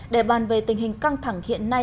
để bàn về tình hình căng thẳng hiện nay